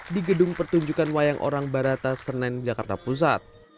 di gedung pertunjukan wayang orang barata senen jakarta pusat